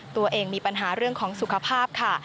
ตัวเองมีปัญหาเรื่องของสุขภาพค่ะ